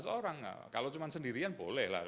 enam belas orang kalau cuma sendirian boleh lah